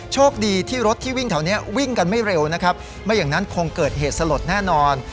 โชคดีที่รถที่วิ่งแถวนี้วิ่งกันไม่เร็วนะครับไม่อย่างนั้นคงเกิดเหตุสลดแน่นอน